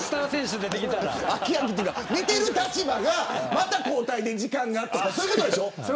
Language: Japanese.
見てる立場が、また交代で時間が空くとかそういうことでしょ。